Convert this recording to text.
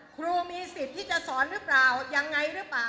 ครูมีสิทธิ์ที่จะสอนหรือเปล่ายังไงหรือเปล่า